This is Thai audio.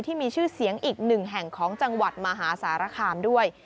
ที่มีชื่อเสียงอีกหนึ่งแห่งของจังหวัดมหาสารคามด้วย